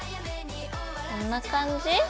こんな感じ？